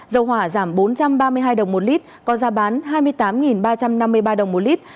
dầu hỏa giảm bốn trăm ba mươi hai đồng một lít có giá bán hai mươi tám ba trăm năm mươi ba đồng một lít